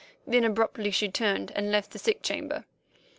Then abruptly she turned and left the sick chamber.